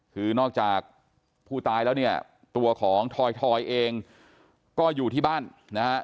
คือนอกจากผู้ตายแล้วเนี่ยตัวของทอยเองก็อยู่ที่บ้านนะฮะ